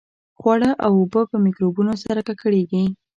خواړه او اوبه په میکروبونو سره ککړېږي.